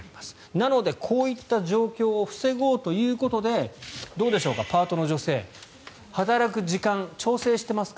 なので、こういった状況を防ごうということでどうでしょうか、パートの女性働く時間、調整してますか。